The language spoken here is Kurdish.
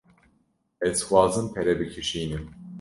Ez dixwazim pere bikişînim.